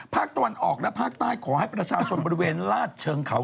ภาคตะวันออกและภาคใต้ขอให้ประชาชนบริเวณลาดเชิงเขา